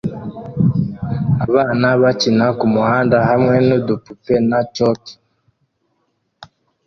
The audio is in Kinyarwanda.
Abana bakina kumuhanda hamwe nudupupe na chalk